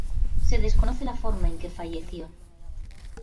Se desconoce la forma en que falleció.